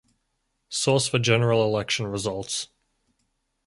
Source for General election results.